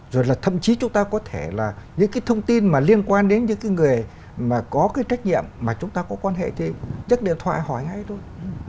rồi là thậm chí chúng ta có thể là những cái thông tin mà liên quan đến những cái người mà có cái trách nhiệm mà chúng ta có quan hệ trên điện thoại hỏi ngay thôi